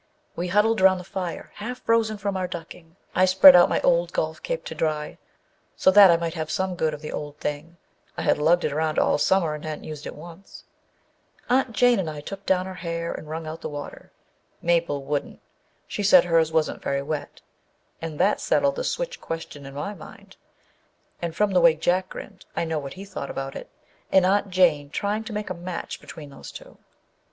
We huddled around the fire, half frozen from our ducking. I spread out my old golf cape to dry, so that I might have some good of the old thing â I had lugged it around all summer and hadn't used it once. Aunt Jane and I took down our hair and wrung out the water. Mabel wouldn't; she said hers wasn't very wet â and that settled the switch question in my mind, and from the way Jack grinned I know what he thought about it â and Aunt Jane trying to make a match between those two!